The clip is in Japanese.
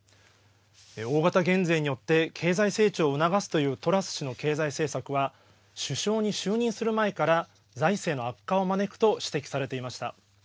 大型減税によって経済成長を促すというトラス氏の経済政策は首相に就任する前から財政の悪化を招くと指摘されていました。